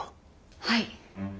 はい。